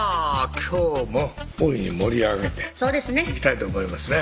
今日も大いに盛り上げていきたいと思いますね